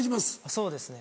そうですね